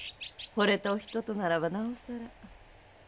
惚れたお人とならばなおさら。